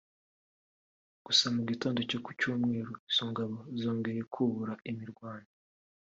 gusa mu gitondo cyo ku Cyumweru izo ngabo zongera kubura imirwano